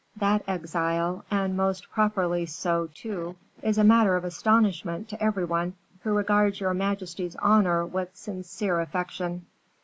That exile, and most properly so, too, is a matter of astonishment to every one who regards your majesty's honor with sincere affection."